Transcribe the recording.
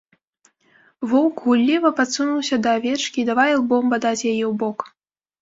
Воўк гулліва падсунуўся да авечкі і давай ілбом бадаць яе ў бок.